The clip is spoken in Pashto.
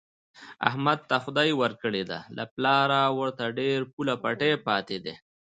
احمد ته خدای ورکړې ده، له پلاره ورته ډېر پوله پټی پاتې دی.